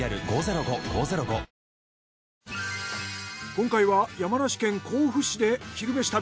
今回は山梨県甲府市で「昼めし旅」。